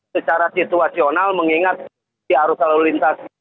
secara situasional mengingat di arus lalu lintas